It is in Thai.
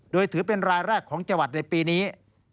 โดยถือเป็นรายแรกของจังหวัดในปีนี้